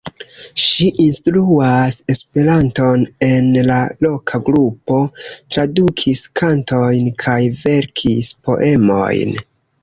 Ŝi instruas Esperanton en la loka grupo, tradukis kantojn kaj verkis poemojn.